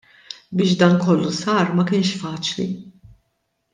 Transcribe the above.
Biex dan kollu sar ma kienx faċli.